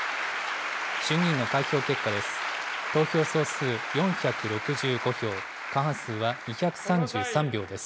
衆議院の開票結果です。